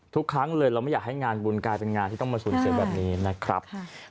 ทุกครั้งเลยเราไม่อยากให้งานบุญกลายเป็นงานที่ต้องมาสูญเสียแบบนี้นะครับ